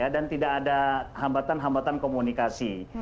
dan tidak ada hambatan hambatan komunikasi